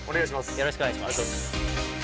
よろしくお願いします。